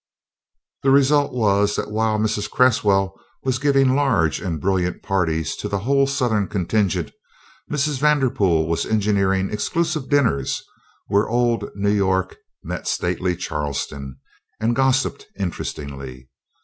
The result was that while Mrs. Cresswell was giving large and brilliant parties to the whole Southern contingent, Mrs. Vanderpool was engineering exclusive dinners where old New York met stately Charleston and gossiped interestingly.